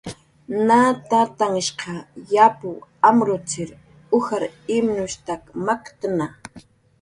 Na tatanhshq yapw amrutzir ujar imnushtak maktna.